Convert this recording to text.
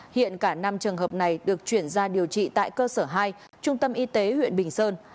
hiện cả năm trường hợp này được chuyển ra điều trị tại cơ sở hai trung tâm y tế huyện bình sơn